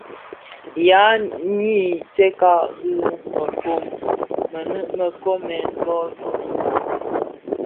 Naa yi stëňkas dhi mëfon mënin bë nkoomèn bō totoka.